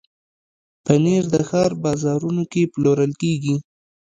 پنېر د ښار بازارونو کې پلورل کېږي.